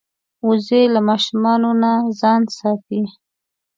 وزې له ماشومانو نه ځان ساتي